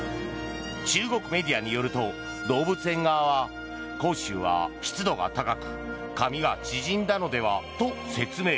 中国メディアによると動物園側は広州は湿度が高く髪が縮んだのではと説明。